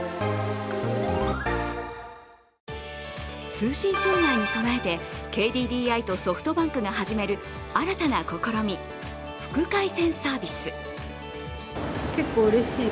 通信障害に備えてＫＤＤＩとソフトバンクが始める新たな試み、副回線サービス。